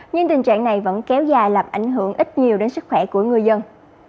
nhưng tình trạng này vẫn kéo dài làm ảnh hưởng ít nhiều đến sức khỏe của người dân